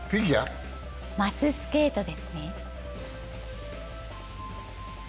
マススケートですね。